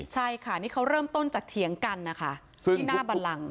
ใช่ค่ะนี่เขาเริ่มต้นจากเถียงกันนะคะที่หน้าบันลัง